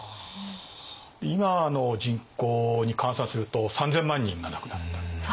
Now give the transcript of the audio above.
今の人口に換算すると３，０００万人が亡くなった。